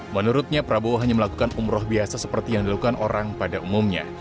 menurutnya prabowo hanya melakukan umroh biasa seperti yang dilakukan orang pada umumnya